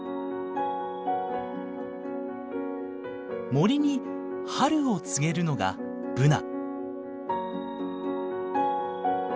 森に春を告げるのがブナ。